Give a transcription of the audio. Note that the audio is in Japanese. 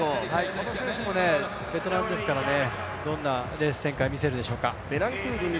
この選手もベテランですから、どんなレース展開を見せるでしょうか。